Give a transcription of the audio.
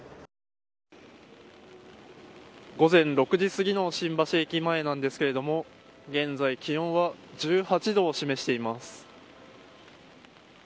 午前６時すぎの新橋駅前なんですけれども現在、気温は１８度を示しています。